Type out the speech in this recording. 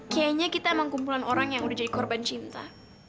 kayaknya kita emang kumpulan orang yang udah jadi korban cinta